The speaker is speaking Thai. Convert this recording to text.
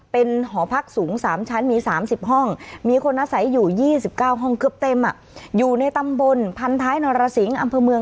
เป็นหอพักสูง๓ชั้นมี๓๐ห้อง